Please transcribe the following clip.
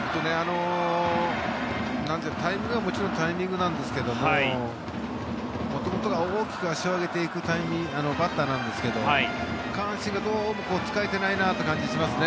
タイミングは、もちろんタイミングなんですが元々が大きく足を上げるバッターなんですが下半身がどうも使えてないなという感じがしますね。